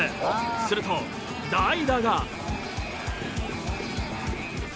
すると代打が。